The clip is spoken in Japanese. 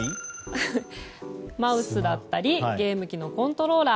マウスだったりゲーム機のコントローラー。